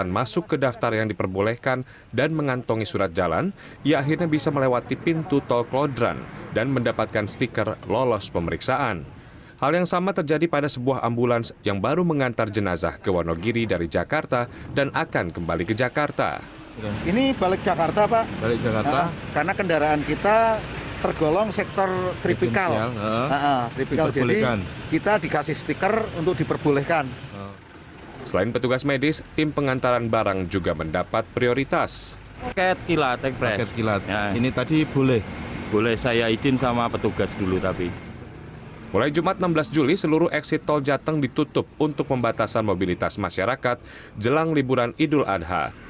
mulai jumat enam belas juli seluruh eksit tol jateng ditutup untuk membatasan mobilitas masyarakat jelang liburan idul adha